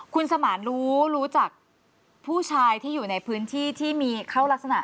คุณสมานรู้รู้จักผู้ชายที่อยู่ในพื้นที่ที่มีเข้ารักษณะ